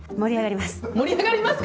盛り上がります。